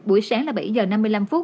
buổi sáng là bảy h năm mươi năm